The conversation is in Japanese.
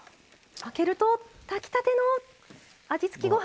開けると炊きたての味付きご飯！